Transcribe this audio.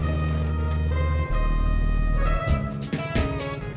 buburkan tang hijau gak